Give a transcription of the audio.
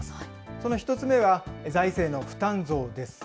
その１つ目は、財政の負担増です。